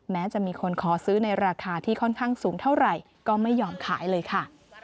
แม้จะมีคนขอซื้อในราคาที่ค่อนข้างสูงเท่าไหร่ก็ไม่ยอมขายเลยค่ะ